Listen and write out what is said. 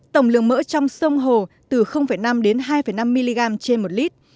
tổng lượng mỡ trong sông hồ từ năm đến hai năm mg trên một lít